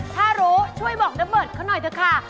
ถ้ารู้ช่วยบอกน้าเบิร์ตเขาหน่อยเถอะค่ะ